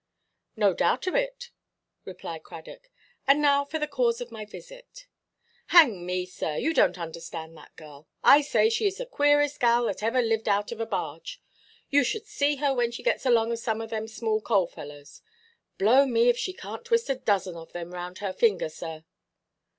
"No doubt of it," replied Cradock; "and now for the cause of my visit——" "Hang me, sir, you donʼt understand that gal. I say she is the queerest gal that ever lived out of a barge. You should see her when she gets along of some of them small–coals fellows. Blow me if she canʼt twist a dozen of them round her finger, sir."